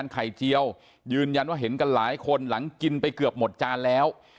ไข่เจียวยืนยันว่าเห็นกันหลายคนหลังกินไปเกือบหมดจานแล้ว